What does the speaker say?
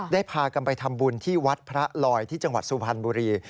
พากันไปทำบุญที่วัดพระลอยที่จังหวัดสุพรรณบุรี